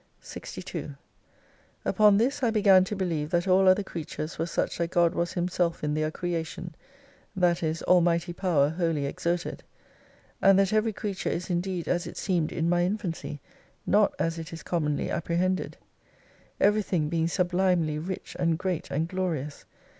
62 Upon this I began to believe that all other creatures were such that God was Himself in their creation, that is Almighty Power wholly exerted : and that every creature is indeed as it seemed in my infancy, not as it is commonly apprehended. Every thing being sublimely rich and great and glorious.